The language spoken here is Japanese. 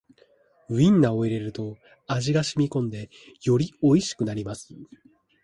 ウインナーを入れると味がしみこんでよりおいしくなります